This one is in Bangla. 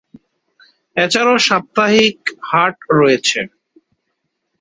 এছাড়াও সাপ্তাহিক হাট রয়েছে।